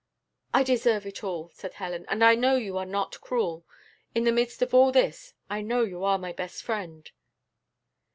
"I deserve it all," said Helen; "and I know you are not cruel. In the midst of all this, I know you are my best friend."